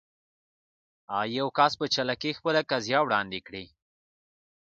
يو کس په چالاکي خپله قضيه وړاندې کړي.